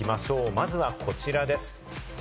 まずは、こちらです。